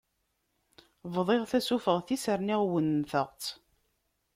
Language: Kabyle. Bḍiɣ tasufeɣt-is rniɣ wennteɣ-tt.